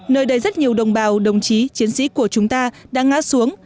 nơi đây rất nhiều đồng bào đồng chí chiến sĩ của chúng ta đã ngã xuống